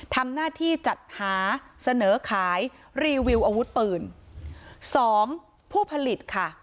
ทำหน้าที่จัดหาเสนอขายรีวิวอาวุธปืนสองผู้ผลิตค่ะ